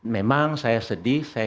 memang saya sedih saya